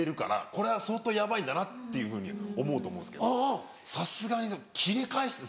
これは相当ヤバいんだなっていうふうに思うと思うんですけどさすがにキレ返して。